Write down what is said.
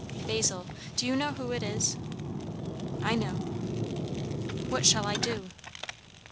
"Basil do you know who it is?" "I know." "What shall I do?"